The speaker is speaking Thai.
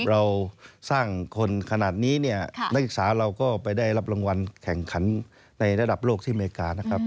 เราสร้างคนขนาดนี้เนี่ยนักศึกษาเราก็ไปได้รับรางวัลแข่งขันในระดับโลกที่อเมริกานะครับ